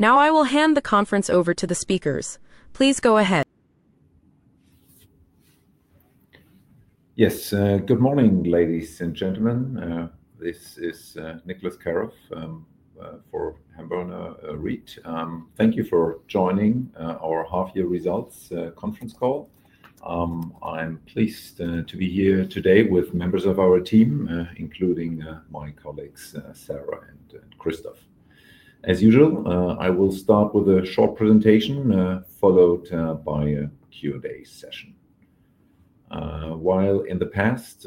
Now I will hand the conference over to the speakers. Please go ahead. Yes, good morning, ladies and gentlemen. This is Niclas Karoff for Hamborner REIT. Thank you for joining our Half-Year Results Conference Call. I'm pleased to be here today with members of our team, including my colleagues Sarah and Christoph. As usual, I will start with a short presentation followed by a Q&A session. While in the past,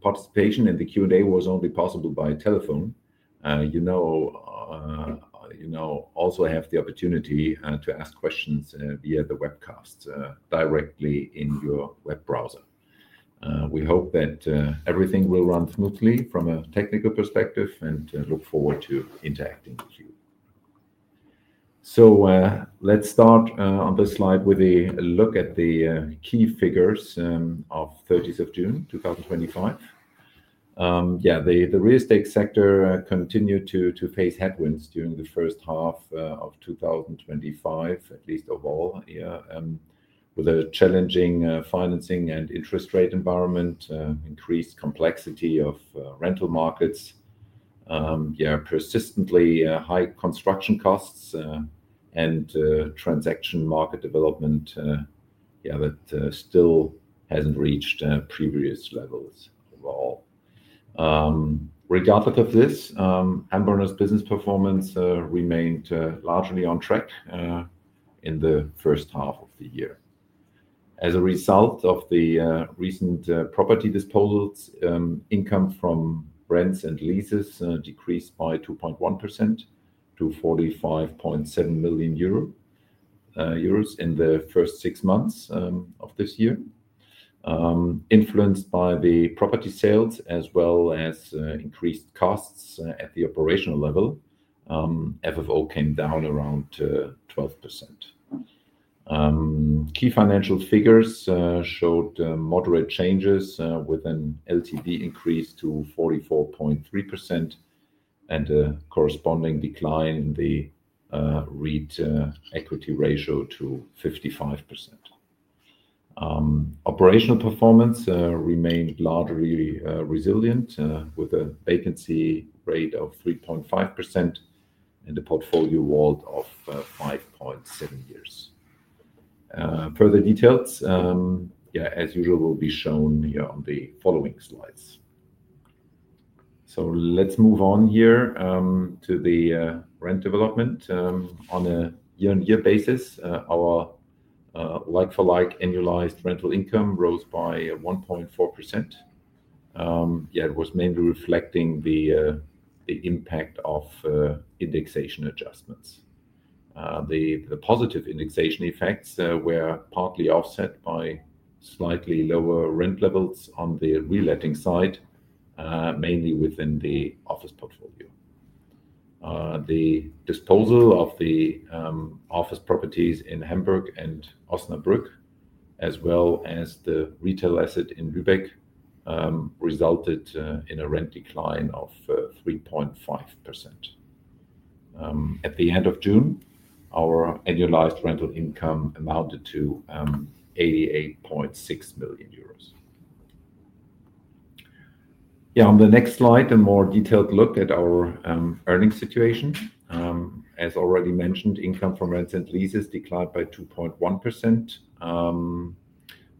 participation in the Q&A was only possible by telephone, you now also have the opportunity to ask questions via the webcast directly in your web browser. We hope that everything will run smoothly from a technical perspective and look forward to interacting with you. Let's start on this slide with a look at the key figures of June 30, 2025. The real estate sector continued to face headwinds during the first half of 2025, at least overall, with a challenging financing and interest rate environment, increased complexity of rental markets, persistently high construction costs, and transaction market development that still hasn't reached previous levels overall. Regardless of this, Hamborner's business performance remained largely on track in the first half of the year. As a result of the recent property disposals, income from rents and leases decreased by 2.1% to 45.7 million euro in the first six months of this year. Influenced by the property sales as well as increased costs at the operational level, FFO came down around 12%. Key financial figures showed moderate changes with an LTV increase to 44.3% and a corresponding decline in the REIT equity ratio to 55%. Operational performance remained largely resilient with a vacancy rate of 3.5% and a portfolio WAULT of 5.7 years. Further details, as usual, will be shown on the following slides. Let's move on here to the rent development. On a year-on-year basis, our like-for-like annualized rental income rose by 1.4%. It was mainly reflecting the impact of indexation adjustments. The positive indexation effects were partly offset by slightly lower rent levels on the re-letting side, mainly within the office portfolio. The disposal of the office properties in Hamburg and Osnabrück, as well as the retail asset in Lübeck, resulted in a rent decline of 3.5%. At the end of June, our annualized rental income amounted to 88.6 million euros. On the next slide, a more detailed look at our earnings situation. As already mentioned, income from rents and leases declined by 2.1%,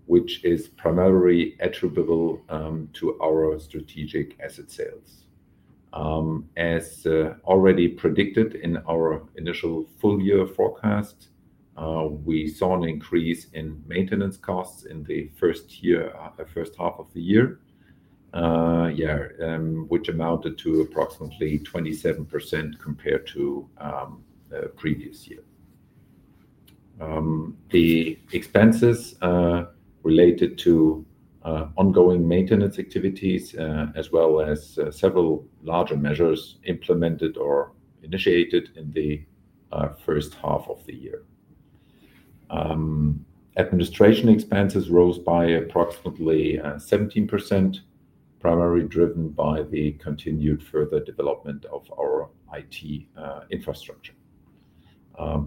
which is primarily attributable to our strategic asset sales. As already predicted in our initial full-year forecast, we saw an increase in maintenance costs in the first half of the year, which amounted to approximately 27% compared to the previous year. The expenses related to ongoing maintenance activities, as well as several larger measures implemented or initiated in the first half of the year. Administration expenses rose by approximately 17%, primarily driven by the continued further development of our IT infrastructure.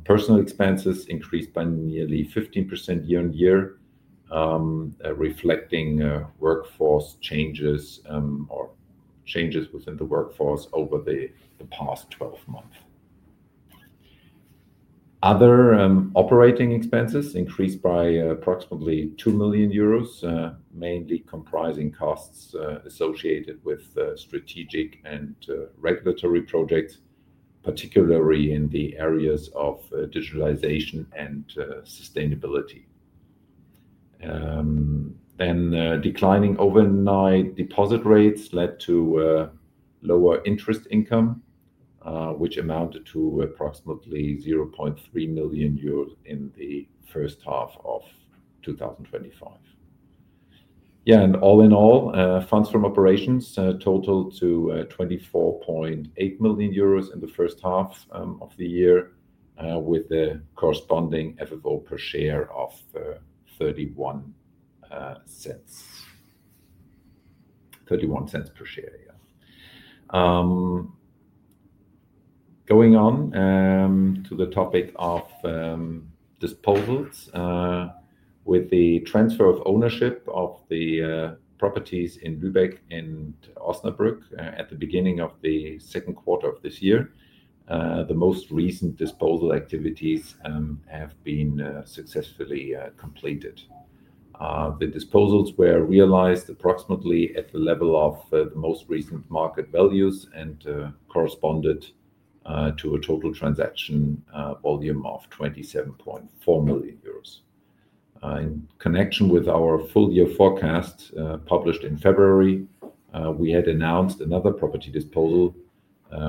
Personnel expenses increased by nearly 15% year-on-year, reflecting workforce changes or changes within the workforce over the past 12 months. Other operating expenses increased by approximately 2 million euros, mainly comprising costs associated with strategic and regulatory projects, particularly in the areas of digitalization and sustainability. Declining overnight deposit rates led to lower interest income, which amounted to approximately 0.3 million euros in the first half of 2025. All in all, funds from operations totaled 24.8 million euros in the first half of the year, with a corresponding FFO per share of 0.31 per share. Going on to the topic of disposals, with the transfer of ownership of the properties in Lübeck and Osnabrück at the beginning of the second quarter of this year, the most recent disposal activities have been successfully completed. The disposals were realized approximately at the level of the most recent market values and corresponded to a total transaction volume of 27.4 million euros. In connection with our full-year forecast published in February, we had announced another property disposal,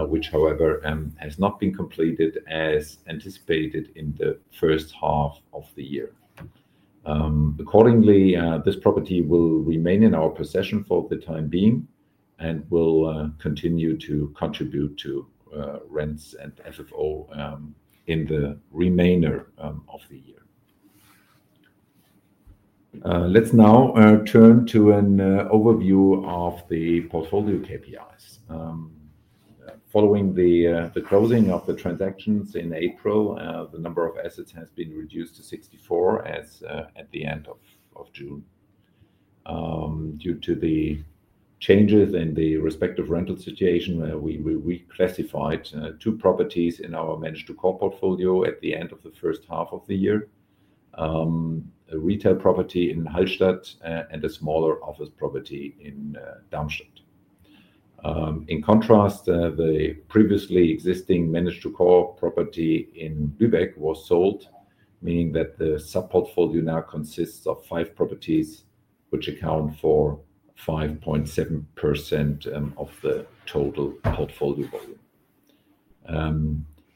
which however has not been completed as anticipated in the first half of the year. Accordingly, this property will remain in our possession for the time being and will continue to contribute to rents and FFO in the remainder of the year. Let's now turn to an overview of the portfolio KPIs. Following the closing of the transactions in April, the number of assets has been reduced to 64 as at the end of June. Due to the changes in the respective rental situation, we reclassified two properties in our managed-to-call portfolio at the end of the first half of the year: a retail property in Hallstatt and a smaller office property in Darmstadt. In contrast, the previously existing managed-to-call property in Lübeck was sold, meaning that the sub-portfolio now consists of five properties, which account for 5.7% of the total portfolio.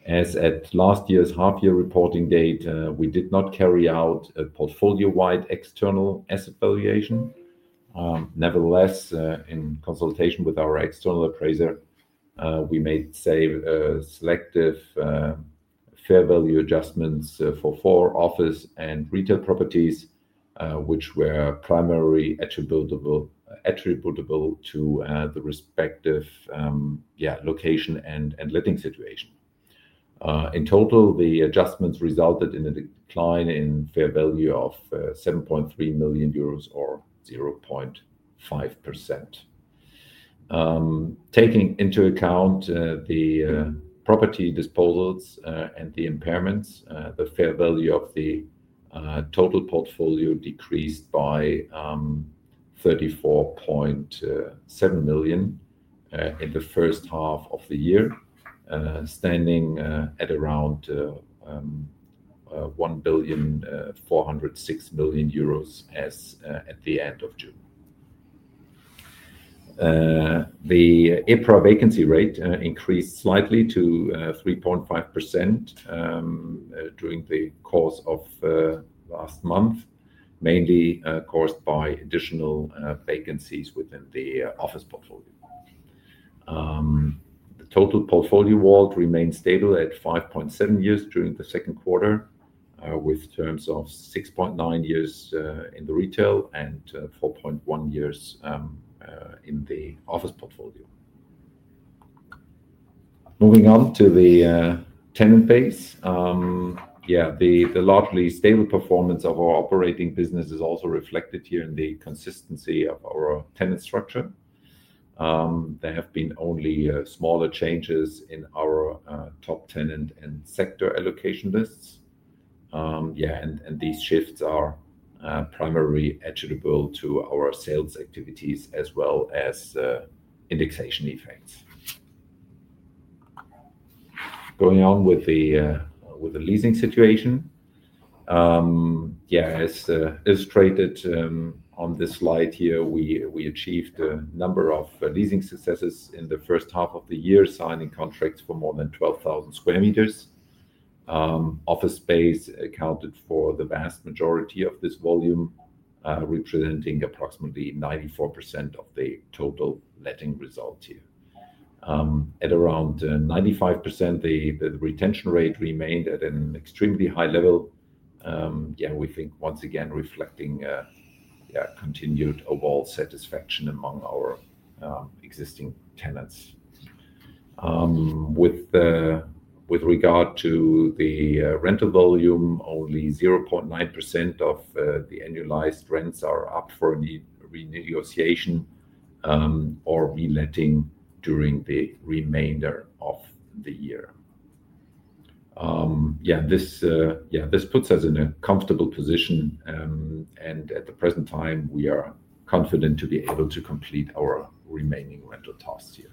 As at last year's half-year reporting date, we did not carry out a portfolio-wide external asset valuation. Nevertheless, in consultation with our external appraiser, we made selective fair value adjustments for four office and retail properties, which were primarily attributable to the respective location and letting situation. In total, the adjustments resulted in a decline in fair value of 7.3 million euros or 0.5%. Taking into account the property disposals and the impairments, the fair value of the total portfolio decreased by 34.7 million in the first half of the year, standing at around 1.406 billion as at the end of June. The April vacancy rate increased slightly to 3.5% during the course of last month, mainly caused by additional vacancies within the office portfolio. The total portfolio WAULT remained stable at 5.7 years during the second quarter, with terms of 6.9 years in the retail and 4.1 years in the office portfolio. Moving on to the tenant base, the largely stable performance of our operating business is also reflected here in the consistency of our tenant structure. There have been only smaller changes in our top tenant and sector allocation lists. These shifts are primarily attributable to our sales activities as well as indexation effects. Going on with the leasing situation, as illustrated on this slide here, we achieved a number of leasing successes in the first half of the year, signing contracts for more than 12,000 square meters. Office space accounted for the vast majority of this volume, representing approximately 94% of the total letting result here. At around 95%, the retention rate remained at an extremely high level. We think once again reflecting continued overall satisfaction among our existing tenants. With regard to the rental volume, only 0.9% of the annualized rents are up for renegotiation or re-letting during the remainder of the year. This puts us in a comfortable position, and at the present time, we are confident to be able to complete our remaining rental tasks here.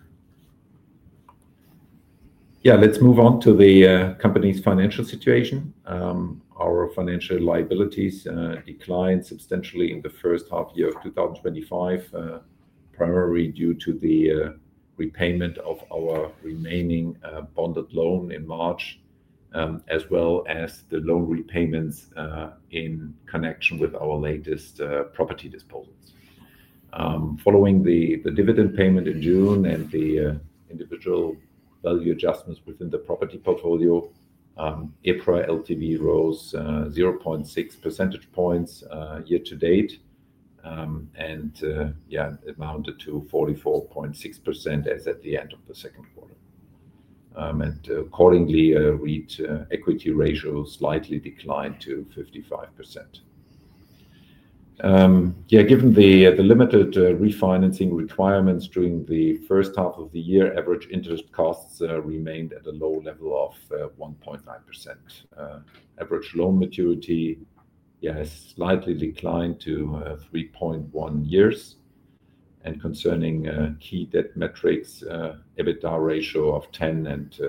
Let's move on to the company's financial situation. Our financial liabilities declined substantially in the first half year of 2025, primarily due to the repayment of our remaining bonded loan in March, as well as the loan repayments in connection with our latest property disposals. Following the dividend payment in June and the individual value adjustments within the property portfolio, April LTV rose 0.6 percentage points year to date, and it amounted to 44.6% as at the end of the second quarter. Accordingly, REIT equity ratio slightly declined to 55%. Given the limited refinancing requirements during the first half of the year, average interest costs remained at a low level of 1.9%. Average loan maturity has slightly declined to 3.1 years. Concerning key debt metrics, EBITDA ratio of 10 and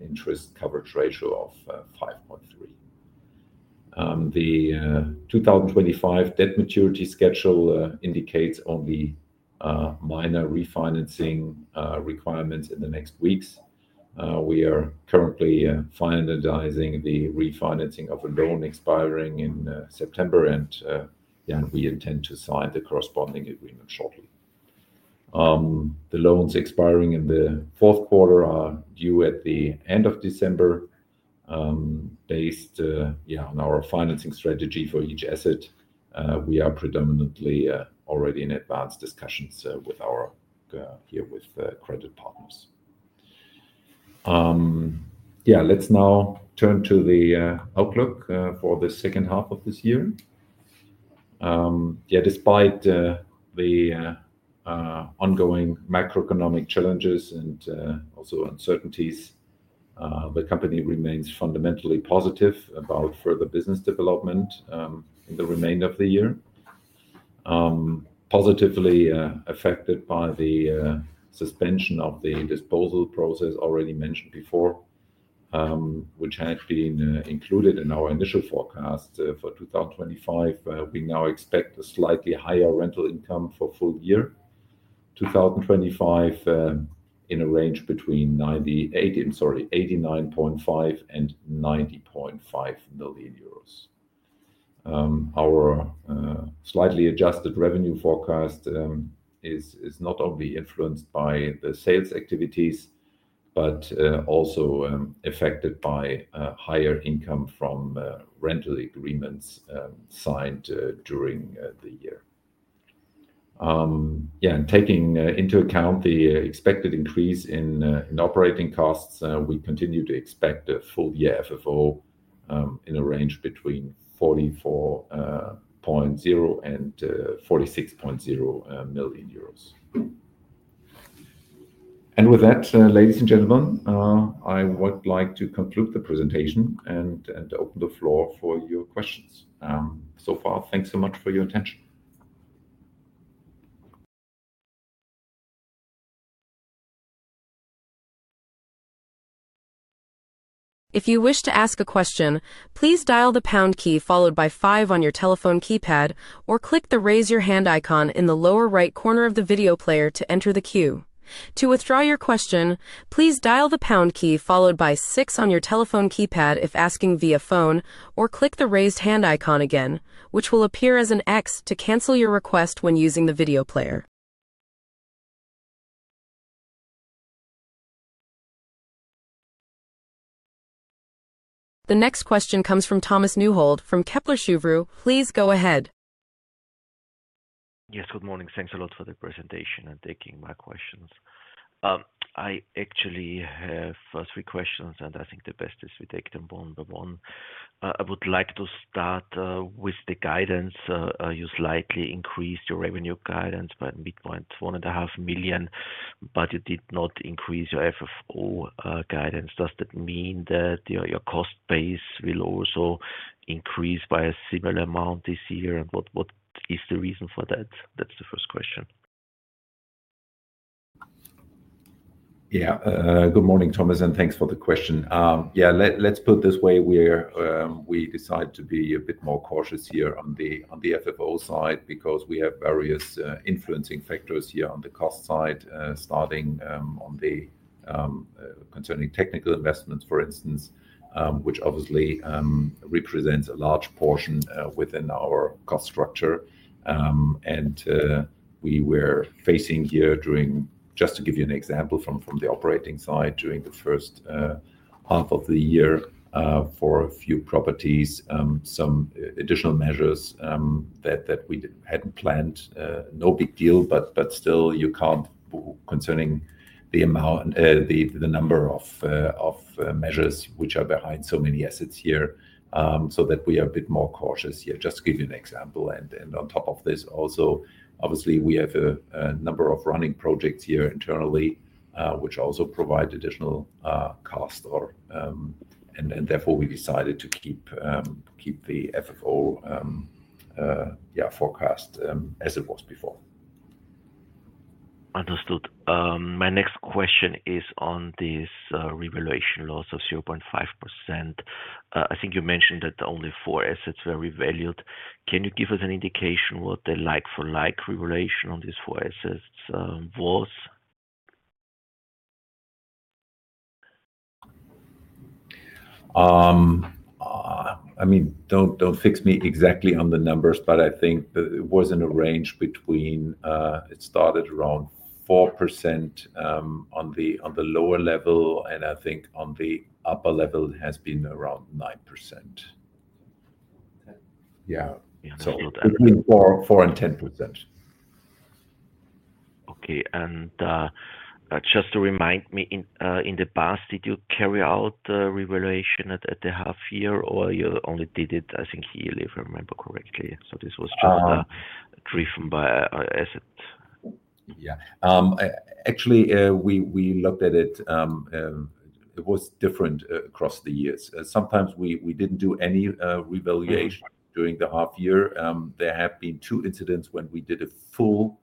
interest coverage ratio of 5.3. The 2025 debt maturity schedule indicates only minor refinancing requirements in the next weeks. We are currently finalizing the refinancing of a loan expiring in September, and we intend to sign the corresponding agreement shortly. The loans expiring in the fourth quarter are due at the end of December. Based on our financing strategy for each asset, we are predominantly already in advanced discussions with our credit partners. Let's now turn to the outlook for the second half of this year. Despite the ongoing macroeconomic challenges and also uncertainties, the company remains fundamentally positive about further business development in the remainder of the year. Positively affected by the suspension of the disposal process already mentioned before, which had been included in our initial forecast for 2025, we now expect a slightly higher rental income for full year 2025 in a range between 89.5 million and 90.5 million euros. Our slightly adjusted revenue forecast is not only influenced by the sales activities, but also affected by higher income from rental agreements signed during the year. Taking into account the expected increase in operating costs, we continue to expect a full-year FFO in a range between 44.0 million and 46.0 million euros. With that, ladies and gentlemen, I would like to conclude the presentation and open the floor for your questions. So far, thanks so much for your attention. If you wish to ask a question, please dial the pound key followed by five on your telephone keypad or click the raise your hand icon in the lower right corner of the video player to enter the queue. To withdraw your question, please dial the pound key followed by six on your telephone keypad if asking via phone or click the raised hand icon again, which will appear as an X to cancel your request when using the video player. The next question comes from Thomas Neuhold from Kepler Cheuvreux. Please go ahead. Yes, good morning. Thanks a lot for the presentation and taking my questions. I actually have three questions, and I think the best is we take them one by one. I would like to start with the guidance. You slightly increased your revenue guidance by a midpoint of 1.5 million, but you did not increase your FFO guidance. Does that mean that your cost base will also increase by a similar amount this year? What is the reason for that? That's the first question. Yeah, good morning, Thomas, and thanks for the question. Let's put it this way. We decided to be a bit more cautious here on the FFO side because we have various influencing factors here on the cost side, starting on the concerning technical investments, for instance, which obviously represents a large portion within our cost structure. We were facing here during, just to give you an example from the operating side, during the first half of the year for a few properties, some additional measures that we hadn't planned. No big deal, but still, you can't concerning the amount, the number of measures which are behind so many assets here, so that we are a bit more cautious. Just to give you an example. On top of this, obviously, we have a number of running projects here internally, which also provide additional cost, and therefore, we decided to keep the FFO forecast as it was before. Understood. My next question is on these revaluation loss of 0.5%. I think you mentioned that only four assets were revalued. Can you give us an indication what the like-for-like revaluation on these four assets was? I mean, don't fix me exactly on the numbers, but I think it was in a range between, it started around 4% on the lower level, and I think on the upper level, it has been around 9%. Yeah, so between 4% and 10%. Okay. Just to remind me, in the past, did you carry out the revaluation at the half-year, or you only did it, I think, yearly, if I remember correctly? This was just driven by asset. Yeah. Actually, we looked at it. It was different across the years. Sometimes we didn't do any revaluation during the half-year. There have been two incidents when we did a full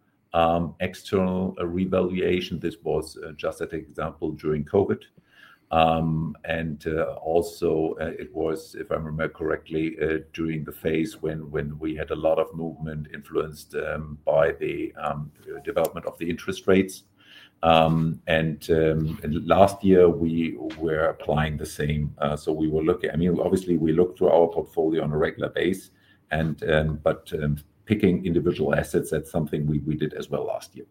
external revaluation. This was just as an example during COVID. It was, if I remember correctly, during the phase when we had a lot of movement influenced by the development of the interest rates. Last year, we were applying the same. We were looking, I mean, obviously, we looked through our portfolio on a regular base, but picking individual assets, that's something we did as well last year.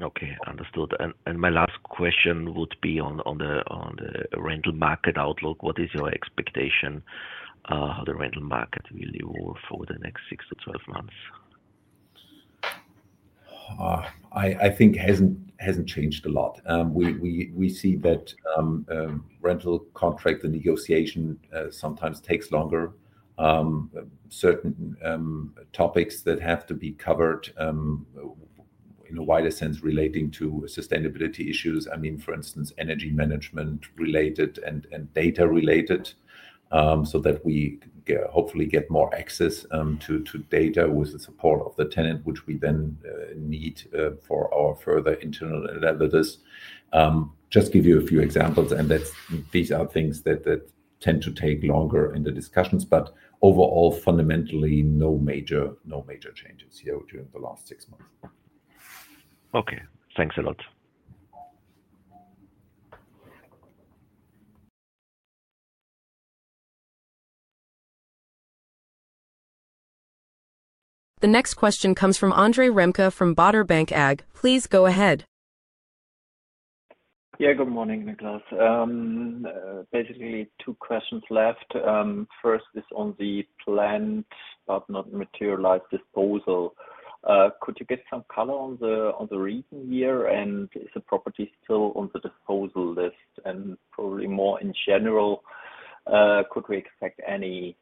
Okay. Understood. My last question would be on the rental market outlook. What is your expectation of the rental market will evolve over the next 6 to 12 months? I think it hasn't changed a lot. We see that rental contract negotiation sometimes takes longer. Certain topics that have to be covered in a wider sense relating to sustainability issues, for instance, energy management-related and data-related, so that we hopefully get more access to data with the support of the tenant, which we then need for our further internal analysis. Just to give you a few examples, these are things that tend to take longer in the discussions, but overall, fundamentally, no major changes here during the last six months. Okay, thanks a lot. The next question comes from Andre Remke from Baader Bank AG. Please go ahead. Yeah, good morning, Niclas. Basically, two questions left. First is on the planned but not materialized disposal. Could you get some color on the recent year, and is the property still on the disposal list? Probably more in general, could we expect any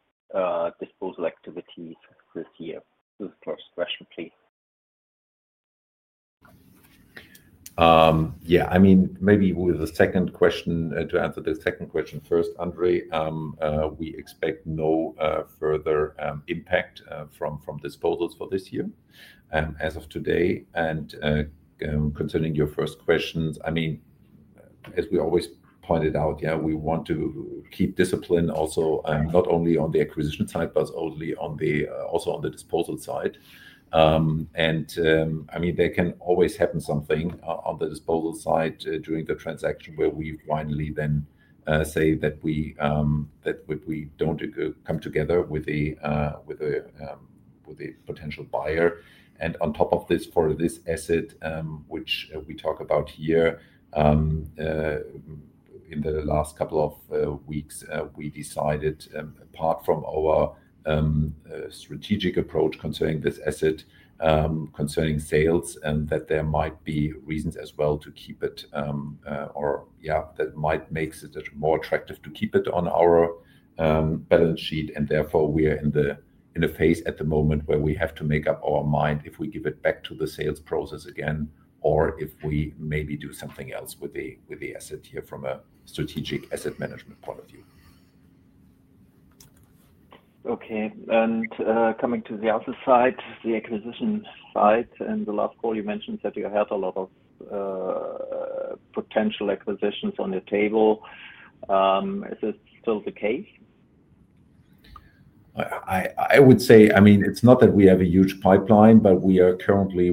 disposal activities this year? This is the first question. Yeah, I mean, maybe with the second question, to answer the second question first, Andre, we expect no further impact from disposals for this year as of today. Concerning your first questions, as we always pointed out, we want to keep discipline not only on the acquisition side, but also on the disposal side. There can always happen something on the disposal side during the transaction where we finally then say that we don't come together with a potential buyer. On top of this, for this asset, which we talk about here, in the last couple of weeks, we decided, apart from our strategic approach concerning this asset, concerning sales, that there might be reasons as well to keep it, or that might make it more attractive to keep it on our balance sheet. Therefore, we are in a phase at the moment where we have to make up our mind if we give it back to the sales process again or if we maybe do something else with the asset here from a strategic asset management point of view. Okay. Coming to the office side, the acquisition side, in the last call, you mentioned that you had a lot of potential acquisitions on your table. Is that still the case? I would say it's not that we have a huge pipeline, but we are currently,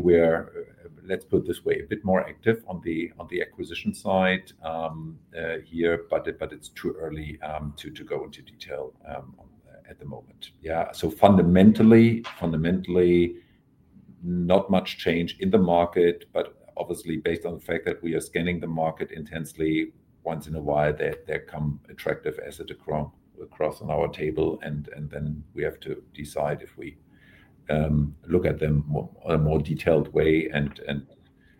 let's put it this way, a bit more active on the acquisition side here. It's too early to go into detail at the moment. Fundamentally, not much change in the market, but obviously, based on the fact that we are scanning the market intensely, once in a while, there come attractive assets across on our table, and then we have to decide if we look at them in a more detailed way.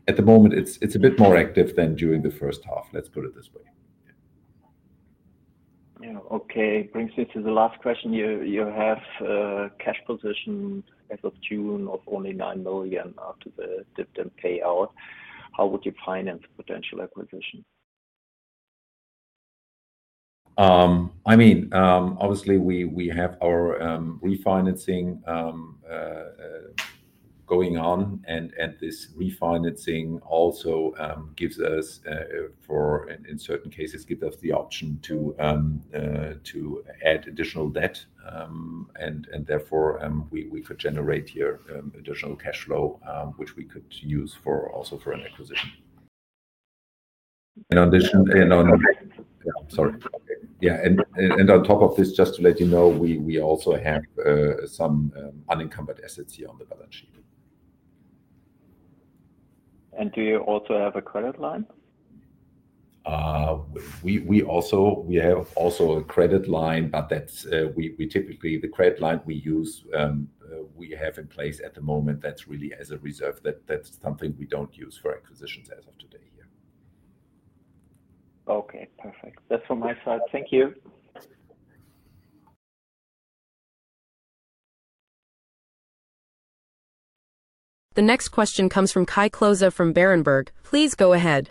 At the moment, it's a bit more active than during the first half. Let's put it this way. Okay. It brings me to the last question. You have a cash position as of June of only 9 million after the dividend payout. How would you finance the potential equity? Obviously, we have our refinancing going on, and this refinancing also gives us, in certain cases, the option to add additional debt. Therefore, we could generate here additional cash flow, which we could use also for an acquisition. On top of this, just to let you know, we also have some unencumbered assets here on the balance sheet. Do you also have a credit line? We also have a credit line, but that's typically the credit line we use. We have in place at the moment, that's really as a reserve. That's something we don't use for acquisitions as of today here. Okay. Perfect. That's from my side. Thank you. The next question comes from Kai Klose from Berenberg. Please go ahead.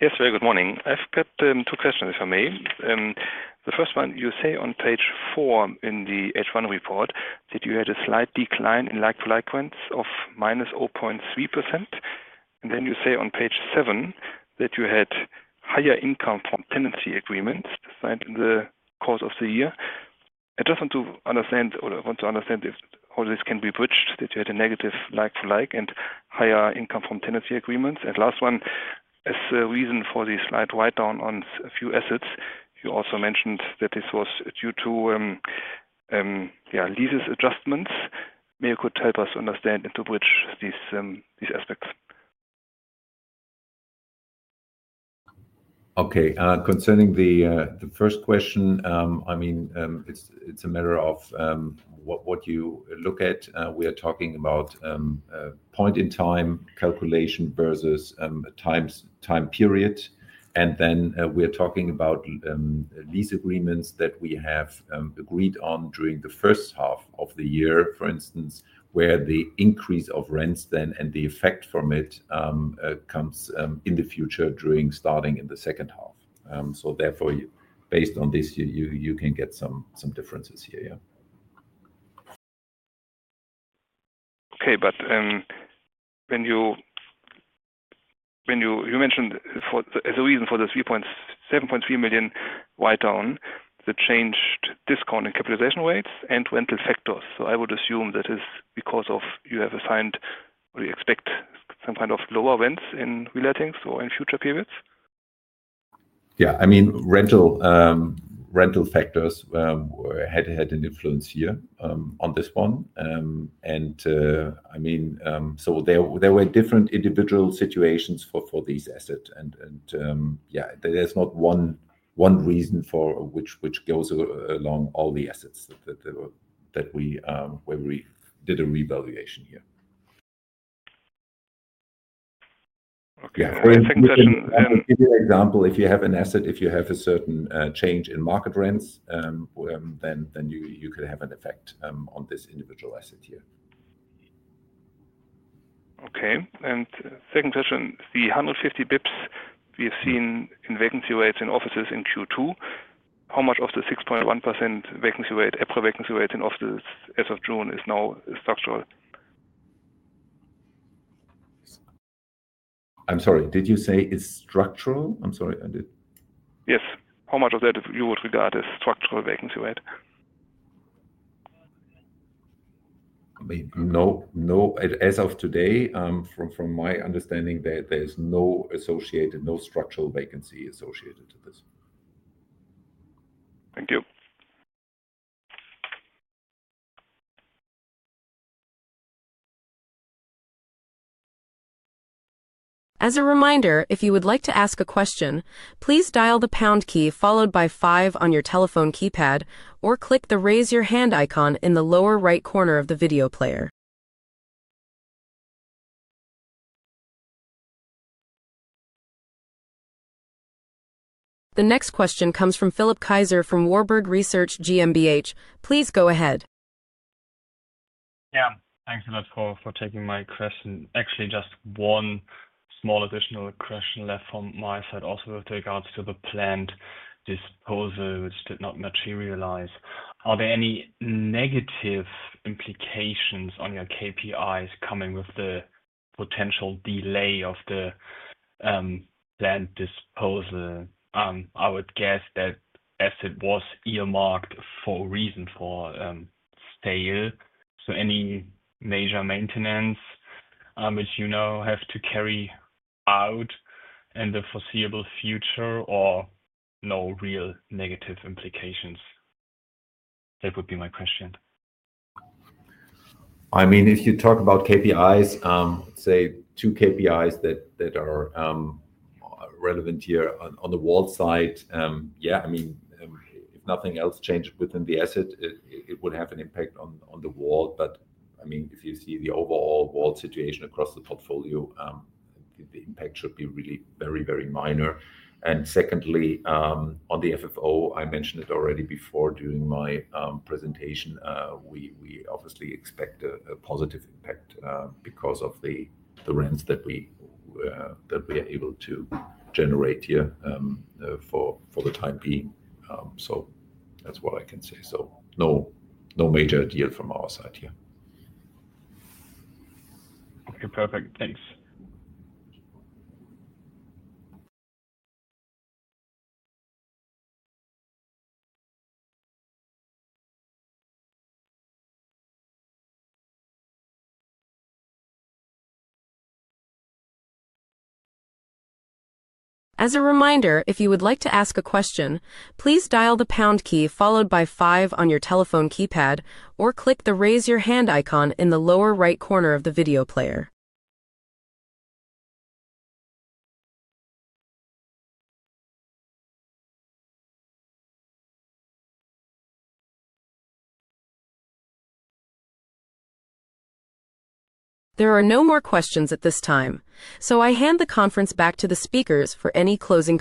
Yes, very good morning. I've got two questions, if I may. The first one, you say on page four in the H1 report that you had a slight decline in like-to-like rents of -0.3%. You say on page seven that you had higher income from tenancy agreements signed in the course of the year. I just want to understand or want to understand if all of this can be bridged that you had a negative like-to-like and higher income from tenancy agreements. Last one, as a reason for the slight write-down on a few assets, you also mentioned that this was due to leases adjustments. Maybe you could help us understand and to bridge these aspects. Okay. Concerning the first question, I mean, it's a matter of what you look at. We are talking about point-in-time calculation versus a time period. We are talking about lease agreements that we have agreed on during the first half of the year, for instance, where the increase of rents then and the effect from it comes in the future, starting in the second half. Therefore, based on this, you can get some differences here, yeah. Okay. When you mentioned as a reason for the 3.73 million write-down, the changed discount in capitalization rates and rental factors, I would assume that is because you have assigned or you expect some kind of lower rents in re-lettings or in future periods? Yeah. I mean, rental factors had an influence here on this one. There were different individual situations for these assets. There's not one reason which goes along all the assets that we did a revaluation here. Okay. In the second question, I'll give you an example. If you have an asset, if you have a certain change in market rents, then you can have an effect on this individual asset here. Okay. Second question, the 150 bps we have seen in vacancy rates in offices in Q2. How much of the 6.1% vacancy rate, FRA vacancy rates in offices as of June is now structural? I'm sorry. Did you say it's structural? I'm sorry. Yes. How much of that would you regard as structural vacancy rate? No. As of today, from my understanding, there's no structural vacancy associated to this. Thank you. As a reminder, if you would like to ask a question, please dial the pound key followed by five on your telephone keypad or click the raise your hand icon in the lower right corner of the video player. The next question comes from Philip Kaiser from Warburg Research GmbH. Please go ahead. Yeah. Thanks a lot for taking my question. Actually, just one small additional question left from my side also with regards to the planned disposal, which did not materialize. Are there any negative implications on your KPIs coming with the potential delay of the planned disposal? I would guess that asset was earmarked for a reason for sale. Any major maintenance, which you now have to carry out in the foreseeable future or no real negative implications? That would be my question. I mean, if you talk about KPIs, let's say two KPIs that are relevant here on the WAULT side, I mean, if nothing else changes within the asset, it would have an impact on the WAULT. If you see the overall WAULT situation across the portfolio, the impact should be really very, very minor. Secondly, on the FFO, I mentioned it already before during my presentation, we obviously expect a positive impact because of the rents that we are able to generate here for the time being. That's what I can say. No major deal from our side here. Okay. Perfect. Thanks. As a reminder, if you would like to ask a question, please dial the pound key followed by five on your telephone keypad or click the raise your hand icon in the lower right corner of the video player. There are no more questions at this time. I hand the conference back to the speakers for any closing.